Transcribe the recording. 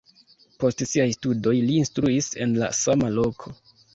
Post siaj studoj li instruis en la sama loko.